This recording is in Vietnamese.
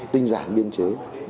tình giản biên chế